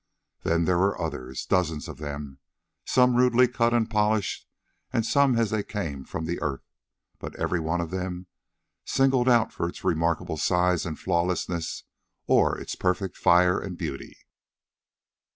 Then there were others—dozens of them—some rudely cut and polished, and some as they came from the earth, but every one of them singled out for its remarkable size and flawlessness, or its perfect fire and beauty.